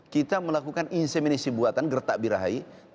kita melakukan inseminasi buatan gertak birahi